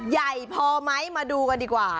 ใหญ่พอไหมมาดูกันดีกว่า